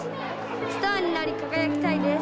スターになり輝きたいです。